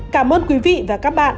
cảm ơn quý vị và các bạn